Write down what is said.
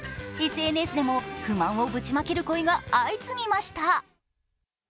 ＳＮＳでも、不満をぶちまける声が相次ぎました。